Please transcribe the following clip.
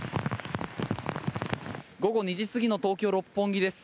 午後２時過ぎの東京・六本木です。